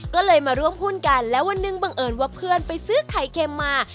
ก็เลยมาร่วมหุ้นกันแล้ววันหนึ่งบังเอิญว่าเพื่อนไปซื้อไข่เค็มมา